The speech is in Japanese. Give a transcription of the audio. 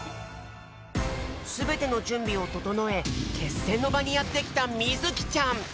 すべてのじゅんびをととのえけっせんのばにやってきたみずきちゃん。